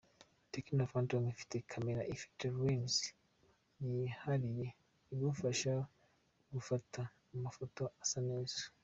Tecno Phantom ifite camera ifite lens yihariye igufasha gufata amafoto asa neza.